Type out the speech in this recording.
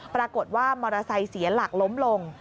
ปรากฏว่ามอเตอร์ไซค์เสียหลักล้มลง